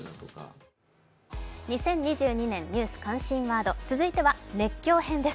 ２０２２年ニュース関心ワード、続いては熱狂編です。